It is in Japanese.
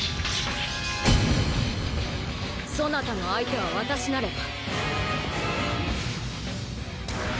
そなたの相手は私なれば。